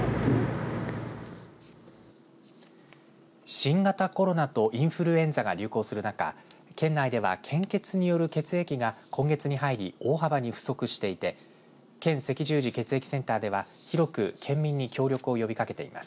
新型コロナとインフルエンザが流行する中県内では、献血による血液が今月に入り、大幅に不足していて県赤十字血液センターでは広く県民に協力を呼びかけています。